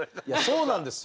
そうなんですよ。